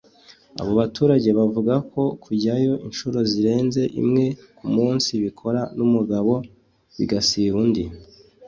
Abo baturage bavuga ko kujyayo inshuro zirenze imwe ku munsi bikora n’umugabo bigasiba undi